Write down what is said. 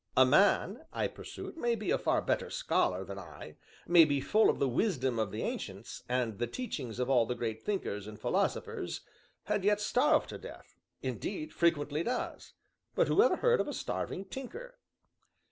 "A man," I pursued, "may be a far better scholar than I may be full of the wisdom of the Ancients, and the teachings of all the great thinkers and philosophers, and yet starve to death indeed frequently does; but who ever heard of a starving Tinker?"